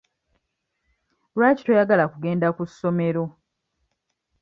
Lwaki toyagala kugenda ku ssomero?